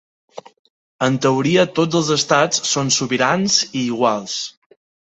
En teoria tots els estats són sobirans i iguals.